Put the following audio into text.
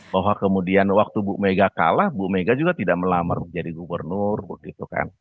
bahwa kemudian waktu bu mega kalah bu mega juga tidak melamar menjadi gubernur begitu kan